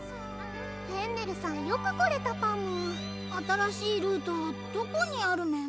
フェンネルさんよくこれたパム新しいルートどこにあるメン？